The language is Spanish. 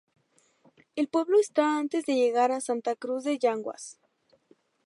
El pueblo está antes de llegar a Santa Cruz de Yanguas.